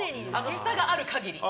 ふたがある限り。